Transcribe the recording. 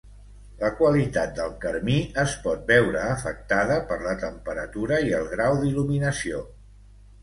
La qualitat del carmí es pot veure afectada per la temperatura i el grau d'il·luminació.